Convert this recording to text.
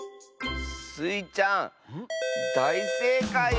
スイちゃんだいせいかい！